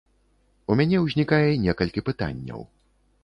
У мяне ўзнікае некалькі пытанняў.